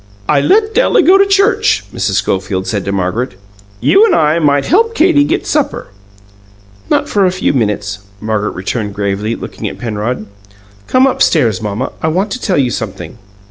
"I let Della go to church," Mrs. Schofield said to Margaret. "You and I might help Katie get supper." "Not for a few minutes," Margaret returned gravely, looking at Penrod. "Come upstairs, mamma; I want to tell you something."